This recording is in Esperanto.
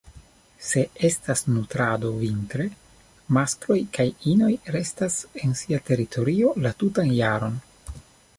Se estas nutrado vintre, maskloj kaj ino restas en sia teritorio la tutan jaron.